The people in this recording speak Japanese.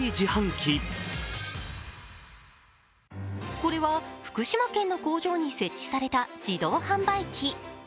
これは福島県の工場に設置された自動販売機。